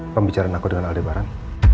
pembicaraan aku dengan aldebaran